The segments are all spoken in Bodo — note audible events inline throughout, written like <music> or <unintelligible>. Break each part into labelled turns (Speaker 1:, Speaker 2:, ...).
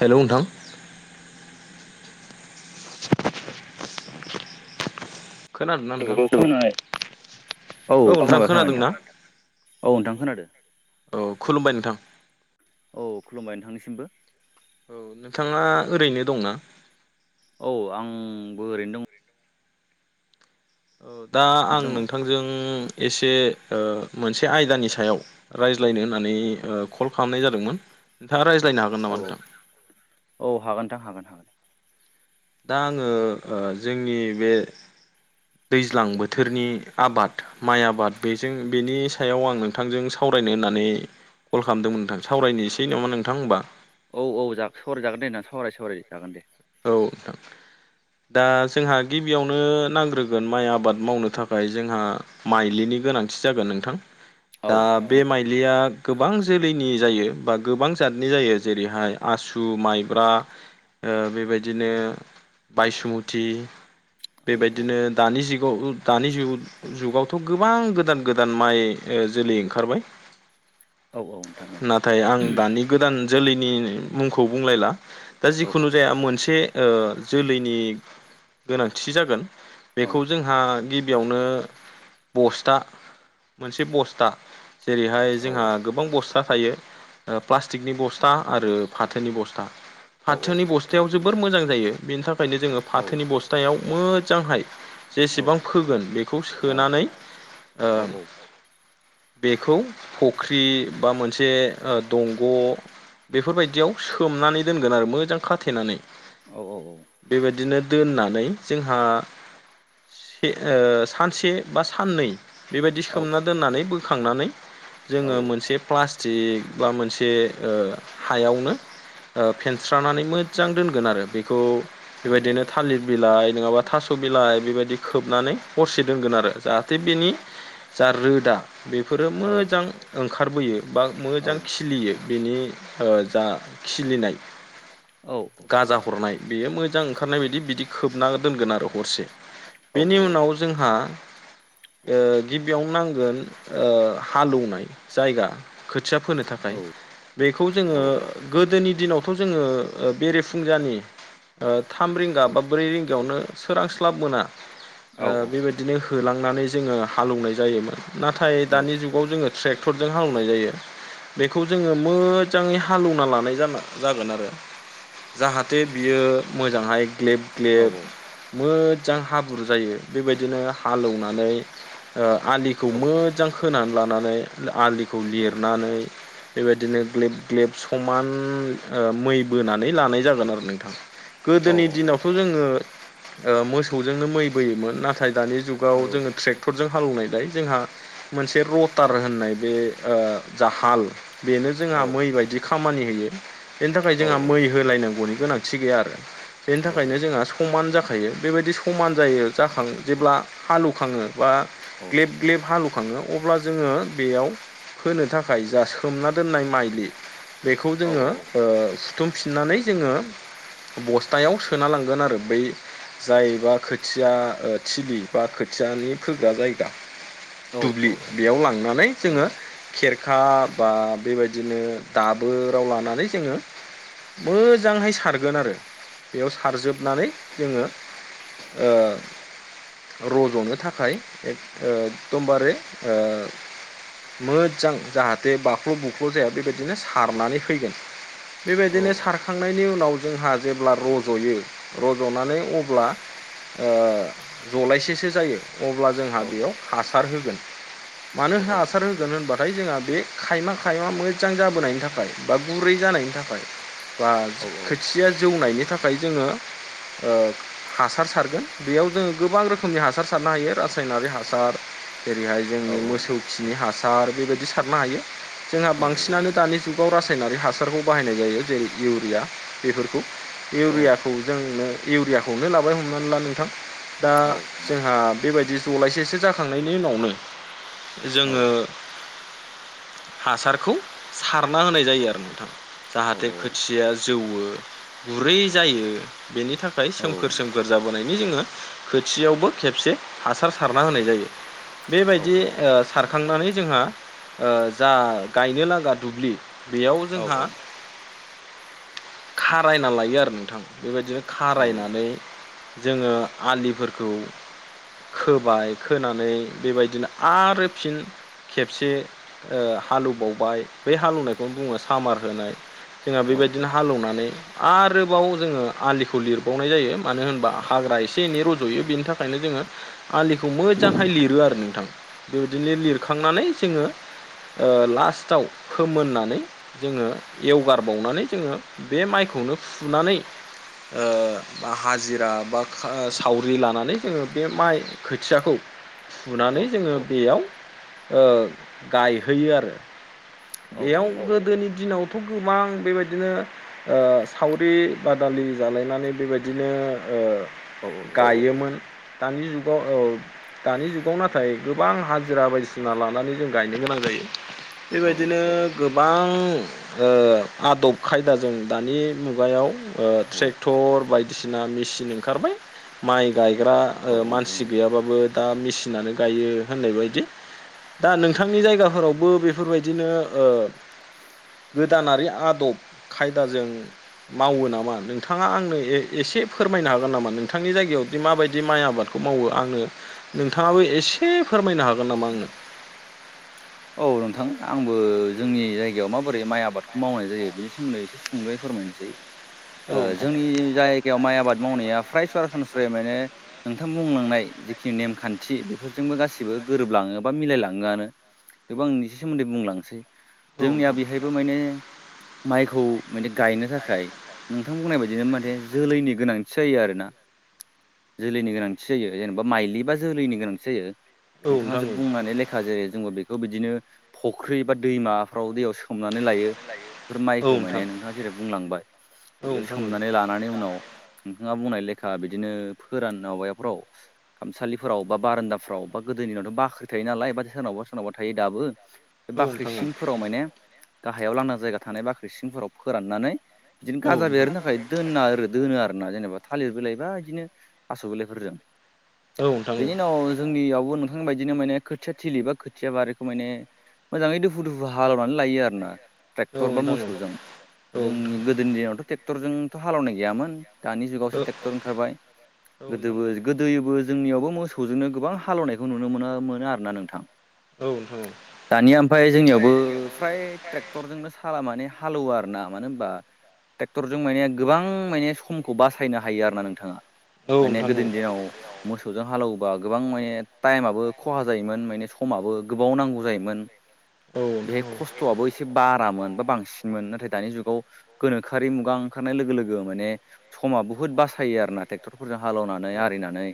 Speaker 1: हेलौ नोंथां। खोनादोंना
Speaker 2: औ
Speaker 1: नोंथां <unintelligible> औ नोंथां
Speaker 2: खोनाबाय खोनाबाय
Speaker 1: खोनादोंना?
Speaker 2: औ नोंथां खोनादों
Speaker 1: औ खुलुमबाय नोंथां।
Speaker 2: औ खुलुमबाय नोंथांनिसिमबो।
Speaker 1: औ नोंथाङा ओरैनो दंना?
Speaker 2: औ आंबो ओरैनो दं।
Speaker 1: ओ दा आं
Speaker 2: दं दङ औ
Speaker 1: नोंथांजों एसे ओ मोनसे आयदानि सायाव रायज्लायनो होननानै ओ कल खालामनाय जादोंमोन। नोंथाङा रायज
Speaker 2: औ औ औ हागोन नोथां हागोन हागोन।
Speaker 1: दा आङो ओ जोंनि बे दैज्लां बोथोरनि आबाद माइ आबाद बेजों बेनि सायाव आं नोंथांजों सावराय नो होननानै कल खालामदोंमोन नोंथां सावरायनोसै नामा नोंथां होमबा।
Speaker 2: औ औ जा- सावराय जागोन दे नोंथां सावराय सावराय जागोन दे।
Speaker 1: औ नोंथां। दा जोंहा गिबियावनो नांग्रोगोन माइ आबाद मावनो थाखाय जोंहा माइलिनि गोनां थि जागोन नोंथां
Speaker 2: औ
Speaker 1: दा
Speaker 2: औ
Speaker 1: बे माइलिआ गोबां जोलैनि जायो बा गोबांजादनि जायो जेरैहाय आसु, माइब्रा ओ बेबायदिनो बायसुमुथि
Speaker 2: औ
Speaker 1: बेबायदिनो दानि जि दानि जुग-जुगावथ' गोबां गोदान गोदान माइ ओ जोलै ओंखारबाय।
Speaker 2: औ नोंथां औ
Speaker 1: नाथाय आं दानि गोदान जोलैनि मुंखौ बुंलायला। दा
Speaker 2: औ
Speaker 1: जिखुनु इसे ओ जोलैनि गोनांथि जागोन
Speaker 2: औ
Speaker 1: बेखौ जोंहा गिब बियावनो बस्था मोनसे बस्था जेरैहाय
Speaker 2: औ
Speaker 1: जोंहा गोबां बस् था थायो, ओ प्लास्टिकनि बस्था आरो फाथोनि बस्था।
Speaker 2: औ औ।
Speaker 1: फाथोनि बस्थायाव जोबोर मोजां जायो बेनि थाखायनो जोङो
Speaker 2: औ
Speaker 1: फाथोनि
Speaker 2: औ
Speaker 1: बस्थायाव मोजांहाय
Speaker 2: औ
Speaker 1: जेसेबां फोगोन बेखौ सोनानै ओ बेखौ फख्रि बा मोनसे ओ दंग' बेफोरबायदियाव सोमनानै दोनगोन आरो मोजां खाथेनानै बेबायदिनो दोननानै जोंहा से-ओ सानसे बा साननै बेबायदि सोमना दोननानै बोखांनानै जोङो
Speaker 2: औ
Speaker 1: मोनसे प्लास्ट टिक बा मोनसे ओ हायावनो ओ फेनस्रानानै मोज जां दोनगोन आरो बेखौ बेबायदिनो थालिर बिलाइ नङाबा थास' बिलाइ बेबायदि खोबनानै हरसे दोनगोन आरो जाहाथे बेनि जा रोदा बेफोरो मोजां ओंखारबोयो बा मोजां खिलियो। बिनि ओ जा खिलिनाय गाजा हरनाय बेयो मोजां ओंखारनाय बादि बिदि खोबना दोनगोन आरो हरसे, बेनि उनाव जोंहा ओ गिबियावनो नांगोन ओ हालौनाय जायगा। खोथिया फोनो थाखाय बेखौ जोङो गोदोनि दिनावथ' जोङो बेरेफुंजानि थाम रिंगा बा ब्रै रिंगायावनो सोरांस्लाब मोना ओ बेबायदिनो होलांनानै जोङो हालएवनाय जायोमोन नाथाय दानि जुगाव जोङो ट्रेक्टरजों हालनाय जायो बेखौ जोङो मोजाङै हालेवना लानाय जानाय जागोन आरो जाहाथे बियो मोजांहाय ग्लेब ग्लेब मो मोजां हाब्रु जायो बेबायदिनो हालेएवनानै आलिखौ मोजां खोनानै लानानै आलिखौ लिरनानै बेबायदिनो ग्लेब ग्लेब समान मै बोनानै लानाय जागोन आरो नोंथां गोदोनि दिनावथ' जोङो ओ- मोसौजोंनो मै बोयोमोन नाथाय दानि जुगाव
Speaker 2: औ
Speaker 1: जोङो ट्रेक्टरजों हालनायलाय जोंहा मोनसे रटार होननाय बे ओ जा हाल बेनो जोंहा
Speaker 2: औ
Speaker 1: मै बायदि खामानि होयो बेनि
Speaker 2: औ
Speaker 1: थाखाय जोंहा मै होलायनांगौनि गोनांथि गैया आरो बेनि थाखायनो जोंहा समान खायो बे बायदि समान जायो जाखां जेब्ला हालौखाङो बा ग्लेब ग्लेब हाल खाङो अब्ला जोङो बेयाव होनो थाखाय जा सोमना दोननाय माइलि बेखौ जोङो ओ सुथुमफिननानै जोङो बस्थायाव सोना लांगोन आरो। बै जायोबा खोथिया ओ थिलि बा खोथियानि फोग्रा जायगा दुब्लि बेयाव लांनानै जोङो खेर खा बा बेबायदिनो दाबोराव लानानै जोङो मोजांहाय सारगोन आरो बेयाव सारजोबनानै जोङो ओ रज'नो थाखाय ओ एकदमबारे ओ मोजां जाहाथे बाख्ल' बुख्ल' जाया बेबायदिनो सारनानै फैगोन बेबायदिनो सारखांनायनि उनाव जोंहा जेब्ला रज'यो रज'नानै अब्ला ओ जलायसेसो जायो अब्ला जोंहा बेयाव हासार होगोन मानो हासार होगोन होनबाथाय जोंहा बे खायमा खायमा मोजां जाबोनायनि थाखाय बा गुरै जानायनि थाखाय बा खोथिया जौनायनि थाखाय जोङो ओ हासार सारगोन बेयाव जोङो गोबां रोखोमनि हासार सारनो हायो रासायनारि हासार जेरैहाय जोंनि मोसौ खिनि हासार बेबायदि सारनो हायो जोंहा बांसिनानो दानि जुग- आव रासायनारिक हासारखौ बाहायनाय जायो जेरै इउरिया बेफोरखौ इउरियाखौ जोंनो इउरियाखौनो लाबाय हमनानै ला नोंथां दा जोंहा बेबायदि जलायसेसो जाखांनायनि उनावनो जोङो हासारखौ सारना होनाय जायो आरो नोंथां जाहाथे खोथिया जौवो गुरै जायो बेनि थाखाय सोमखोर सोमखोर जाबोनाय बि जोङो खोथियावबो खेबसे हासार सारना होनाय जायो बेबायदि ओ सार- खांनानै जोंहा ओ जा गायनो लागा दुब्लि बेयाव
Speaker 2: औ
Speaker 1: जोंहा खारायना लायो आरो नोंथां। बेबायदिनो खारायनानै जोङो आलिफोरखौ खोबाय खोनानै बेबायदिनो आरो फिन खेबसे ओ हालेवबावबाय बे हालेवनायखौनो बुङो सामार होनाय जोंहा बेबायदिनो हालेवनानै आरोबाव जोङो आलिखौ लिरबावनाय जायो मानो होनबा हाग्रा एसे एनै रज'यो बेनि थाखायनो जोङो आलिखौ मोजांहाय लिरो आरो नोंथां। बेबायदिनो लिरखांनानै जोङो ओ लास्टआव फोमोननानै जोङो एवगारबावनानै जोङो बे माइखौनो फुनानै ओ बा हाजिरा बा ओ सावरि लानानै जोङो बे माइ खोथियाखौ फुनानै जोङो बेयाव ओ गायहोयो आरो बेयाव गोदोनि दिनाव थ' गोबां बेबायदिनो ओ- सावरि बादालि जालायनानै बेबायदिनो ओ- गायोमोन दानि जुगाव औ- दानि जुगाव नाथाय गोबां हाजिरा बायदिसिना लानानै जों गायनो गोनां जायो बेबायदिनो गोबां ओ आदब खायदाजों दानि मुगायाव ट्रेक्टर बायदिसिना मेसिन ओंखारबाय माइ गाय गायग्रा मानसि गैयाबाबो दा मेसिनानो गायो होननाय बायदि दा नोंथांनि जायगाफोरावबो बेफोरबायदिनो गोदानारि आदब खायदाजों मावो नामा नोंथाङा आंनो ए एसे फोरमायनो हागोन नामा नोंथांनि जायगायावदि माबायदि माइ आबादखौ खौ मावो आङो नोंथाङाबो एसे फोरमायनो हागोन नामा आंनो
Speaker 2: औ नोंथां आंबो जोंनि जायगायाव माबोरै माइ आबादखौ मावनाय जायो बेनि सोमोन्दै एसे सुंदयै फोर नोसै
Speaker 1: औ नोंथां
Speaker 2: जोंनि जाय जायगायाव माइ आबाद मावनाया फ्राय सरासनस्रायै माने नोंथां बुंलांनाय जिखिनि नेम खान्थि बेफोरजों गासिबो गोरोब लाङोबा मिलायलाङो आनो थेवबो आं इसे सोमोन्दै बुंलांसै
Speaker 1: औ
Speaker 2: जोंनिया
Speaker 1: नोंथां
Speaker 2: बेहायबो माने माइखौ माने गायनो थाखाय नोंथां बुंनाय बायदिनो माथे जोलैनि गोनांथि जायो आरोना जोलैनि गोनांथि जायो जेनेबा माइलि बा जोलैनि गोनांथि जायो
Speaker 1: औ
Speaker 2: नोंथाङा
Speaker 1: नोंथां
Speaker 2: जो
Speaker 1: औ
Speaker 2: बुंनानै लेखा जेरै जोंबो बेखौ बेखौ बिदिनो फुख्रि बा दैमाफ्राव दैयाव सोमनानै लायो बेफोर माइखौ मायने नोंथाङा जेरै बुंलांबाय
Speaker 1: औ
Speaker 2: बेयाव
Speaker 1: नोंथां औ
Speaker 2: सोमनानै लानानै उनाव नोंथाङा बुंनाय ले खा बिदिनो फोरान नाव माबाफोराव खामसालिफोराव बा बारान्दाफ्राव बा गोदोनिनावथ' बाख्रि थायो नालाय बा सोरनावबा सोरनावबा थायो दाबो बे बाख्रि
Speaker 1: नोंथां
Speaker 2: सिंफोराव माने गाहायाव लांदां जायगा थानाय बाख्रि सिंफोराव फोराननानै बिदिनो
Speaker 1: औ
Speaker 2: गाजा बेरनो थाखाय दोनना आरो दोनो आरोना जेनेबा थालिर बिलाइ बा बिदिनो थास' बिलाइफोरजों
Speaker 1: नोंथां औ नोंथां
Speaker 2: बेनि
Speaker 1: औ
Speaker 2: उनाव जोंनियावबो नों थां बायदिनो माने खोथिया थिलि बा खो खोथिया बारिखौ माने मोजाङै दुफु दुफु हालेवनानै लायो आरो ना
Speaker 1: नोंथां औ नोंथां औ नोंथां औ नोंथां औ नोंथां औ नोंथां औ नोंथां औ नोंथां
Speaker 2: ट्रेक्टर बा
Speaker 1: औ
Speaker 2: मोसौजों जोंनि गोदोनि दिनावथ' ट्रेक्टरजोंथ' हालेवनाय गैयामोन दानि जुगावसो ट्रेक्टर ओंखारबाय गोदोबो गोदोबो जोंनियावबो मोसौजोंनो गोबां हालेवनायखौ नुनो मोना मोनो आरो ना नोंथां दानिया ओमफ्राय जोंनियावबो फ्राय ट्रेक्टरजोंनो साला माने हालौवो आरो ना मानो होनबा ट्रेक्टरजों माने गोबां माने समखौ बासायनो हायो आरो ना नोंथाङा माने गोदोनि दिनाव मोसौजों हालौ बा गोबां माने टाइमआबो खहा जायोमोन माने समाबो गोबाव नांगौ जायोमोन बेहाय खस्थ'आबो एसे बारामोन बा बांसिन सिनमोन नाथाय दानि जुगाव गोनोखोआरि मुगा ओंखारनाय लोगो लोगो माने समाबो बुहुत बासायो आरोना ट्रेक्टरफोरजों हालेवनानै आरिनानै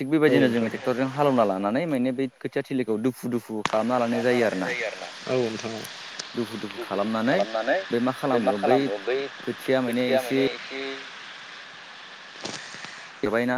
Speaker 2: थिग बेबायदिनो जोङो ट्रेक्टरजों हालावना लानानै माने बे खोथिया थिलिखौ दुफु दुफु
Speaker 1: बा लानाय जायो आरोना औ नोंथां औ दुफु दुफु खालामनानै बे मा खालामो बै खोथिया माने एसे
Speaker 2: बेवहायना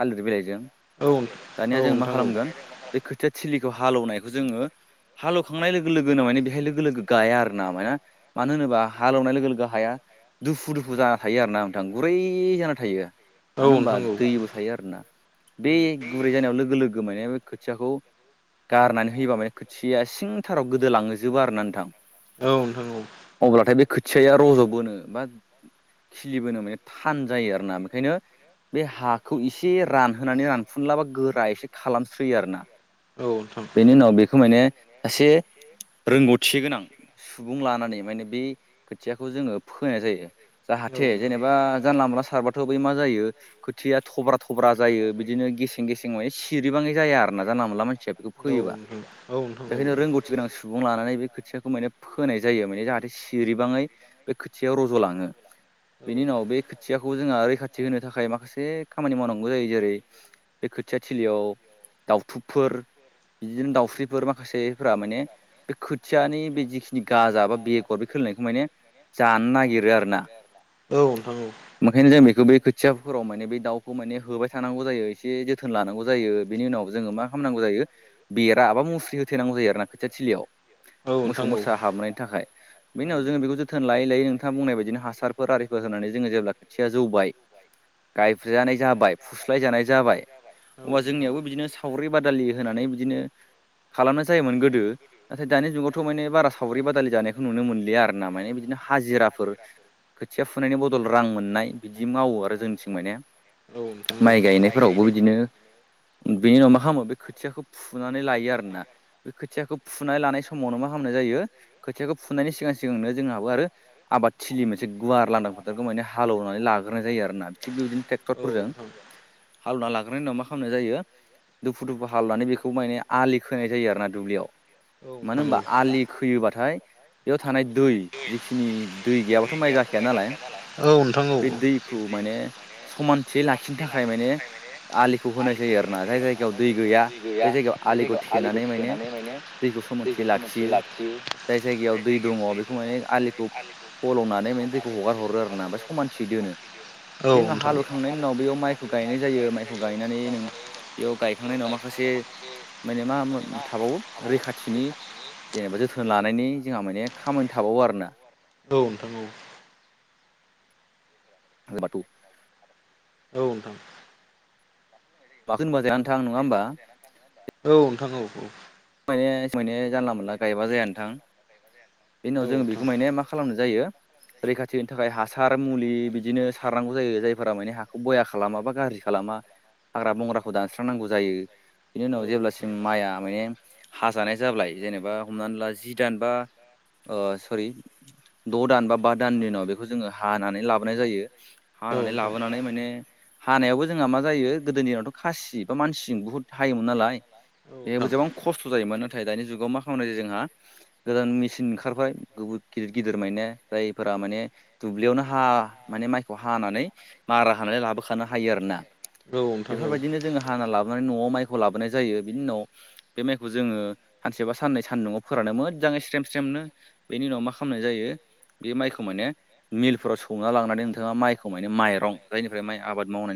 Speaker 2: थालिर बिलाइजों
Speaker 1: औ नोंथां
Speaker 2: दानिया जों मा
Speaker 1: औ
Speaker 2: खालामगोन बे खोथिया थिलि हालौवनायखौ जोङो हालेवखांनाय लोगो लोगोनो माने बेहाय लोगो लोगो गाया आरो ना माने मानो होनोबा होनोबा हालेवनाय लोगो लोगो हाया दुफु दुफु जाना थायो आरो ना नोंथां गुरै जाना थायो
Speaker 1: औ
Speaker 2: मानो होनबा
Speaker 1: नोंथां औ
Speaker 2: दैबो थायो आरोना बे गुरै जानायाव लोगो लोगो माने खोथियाखौ गारनानै होयोबा माने खोथिया सिंथाराव गोदोलांजोबो आरो ना नोंथां।
Speaker 1: औ नोंथां औ।
Speaker 2: अब्लाथाय बे खोथियाया रज'बोनो बा खिलिबोनो माने थान जायो आरो ना बेखायनो बे हाखौ एसे रानहोनानै रानफुनलाबा गोरा एसे खालामस्रोयो आरोना।
Speaker 1: औ नोंथां औ नोंथां
Speaker 2: बेनि उनाव बेखौ माने एसे रोंगौथि गोनां सुबुं लानानै माने बे खोथियाखौ जोङो फोनाय जायो। जाहाथे जेनेबा जानला मोनला सारबाथ' बै मा जायो। खोथिया थब्रा थब्रा जायो बिदिनो गेसें गेसें अए सिरिबाङै जाया आरो ना जानला मोनला मानसिया बेखौ
Speaker 1: औ
Speaker 2: फैयोबा
Speaker 1: नोंथां औ नोंथां औ
Speaker 2: बेखायनो रोंगौथि गोनां सुबुं लानानै बे खोथियाखौ मानेप फोनाय जायो माने जाहाथे सिरिबाङै बे खोथियायाव रज'लाङो।
Speaker 1: औ
Speaker 2: बेनि उनाव बे खोथियाखौ जोंहा रैखाथि होनो से खामानि मावनांगौ जायो जेरै बे खोथिया थिलियाव दउथुबफोर बिदिनो दाउस्रिफोर माखासेफोरा माने बे खोथियानि बे जिखिनि गाजा बा बेगर बे खोलायनायखौ माने जानो नागिरो आरो ना
Speaker 1: औ नोंथां औ।
Speaker 2: मोहे जें बेखौ बै बै थियाफोराव माने बे दाउखौ माने होबाय थानांगौ जायो एसे जोथोन लानांगौ जायो बेनि उनाव हामनांगौ जायो बेरा बा मुस्रि होथैेनांगौ जायो आरो ना खोथिया थिलियाव
Speaker 1: औ
Speaker 2: मोसौ
Speaker 1: नोंथां औ
Speaker 2: मोसा हाबनायनि थाखाय बेनि उनाव जोङो
Speaker 1: औ
Speaker 2: बेखौ जोथोन लायै लायै नोंथाङा बुंनाय बायदिनो हासारफोर आरिफोर नानै जोङो जेब्ला खोथिया जौबाय गायफुजानाय जाबाय फुस्लाय जानाय जाबाय अबा
Speaker 1: नोंथां
Speaker 2: जोंनियावबो बिदिनो सावरि बादालि होनानै बिदिनो खालामनाय जायोमोन गोदो नाथाय दानि जुगावथ' माने बारा सावरि बादालि जानायखौ नुनो मोनलिया आर ना माने बिदिनो हाजिराफोर खोथिया फुनायनि बदल रां मोननाय बिदि मावो आरो जोंनिथिं माने
Speaker 1: औ नोंथां औ
Speaker 2: माइ गायनायफोरावबो बिदिनो बिनि उनाव माख हामो बे खोथियाखौ फु फुनानै लायो आरोना बे खोथियाखौ फुनाय लानाय समावनो मा खालामनाय जायो खोथियाखौ फुनायनि सिगां सिगां नोंनो जोंहाबो आरो आबाद थिलि मोनसे गुवार लांदां फोथारखौ माने हालेवनानै लाग्रोनाय जायो आरोना थिग बेबायदिनो
Speaker 1: औ नोंथां औ नोंथां औ नोंथां औ नोंथां औ नोंथां औ नोंथां औ
Speaker 2: ट्रेक्टरफोरजों
Speaker 1: नोंथां
Speaker 2: हालवना लाग्रनायनि उनाव मा खालामनाय जायो दुफु दुफु हालान बेखौ माने आलि खोनाय जायो आरोना दुब्लियाव
Speaker 1: औ औ नोंथां औ नोंथां औ नोंथां
Speaker 2: मानो होमबा आलि खोयोबाथाय बेयाव थानाय दै जिखिनि दै गैयाबाथ' माइ जाखाया नालाय बे दैखौ माने चमानथियै लाखिनो थाखाय माने आलिखौ होनाय जायो आरोना जाय जायगायाव दै गैया आ बै जायगायाव आलिखौ थेनानै माने दैखौ सोमोनथिआय लाखियो जाय जायगायाव दै दङ बेखौ माने आलिखौ फल'नानै बेनि दैखौ हगार हरो आरो ना समानथियै दोनो। बे उनाव हालौवखांनायनि उनाव बेयाव माइखौ गायनाय जायो माइखौ गायनानै नों बेयाव गायखां ओ माखासे माने मा मो थाबावो रैखाथिनि जेनेबा जोथोन लानायनि जोंहा माने खामोन थाबावो आरोना।
Speaker 1: औ नोंथां औ।
Speaker 2: ओ बाथौ
Speaker 1: औ नोंथां।
Speaker 2: माखो होनबा जायाथां नङा होमबा?
Speaker 1: थागौ औ
Speaker 2: माने मोने जानला मोनला गायबा जाया नोंथां बे उनाव जों बेखौ माने मा खालामनो जायो रैखाथि होनो थाखाय हासार मुलि बिदिनो सारनांगौ जायो जायफोरा माने हाखौ बया खालामाबा गाज्र दि खालामा हाग्रा बंग्राखौ दानस्रांनांगौ जायो बिनि उनाव जेब्लासिम माइआ मोए हाजानाय जाब्लाय जेनेबा हमनानै ला जि दान बा ओ सोरि द' दान बा बा दाननि दिनाव बेखौ जोङो हानानै लाबोनाय जायो हानानै लाबोनानै माने हानायावबो जोंहा मा जायो गोदोनिवथ' खासि बा मानसिजों बुहुत हायोमोन नालाय
Speaker 1: औ
Speaker 2: बेजोबां ओरैबा नाथाय दानि जुगाव मा खालामनाय जायो जोंहा गोदान मेचन ओंखारबाय गोबो गिदिर गिदिर मायने रायब फोरा माने दुब्लियावनो हा माने माइखौ हानानै मारा हानानै लाबोखानो हायो आरोना।
Speaker 1: नोंथां औ
Speaker 2: बेफोरबायदिनो जोङो हाना लाबोनानै न'आव माइ खौ लाबोनाय जायो बिनि उनाव बे मखौ जोङो सानसेबा साननै सानदुंआव फोरानो मोजाङै स्रेम स्रेमनो बेनि उनाव मा खामनाय जायो बे माइखौ माने मिलफोराव सौना लांनानै नोंथाङा माइखौ माने माइरं जायनिफ्राय माइ आबाद मावनाय